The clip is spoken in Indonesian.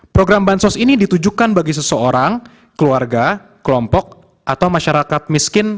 program bansos ini ditujukan bagi seseorang keluarga kelompok atau masyarakat miskin